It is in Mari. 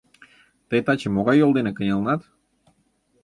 Тый таче могай йол дене кынелынат?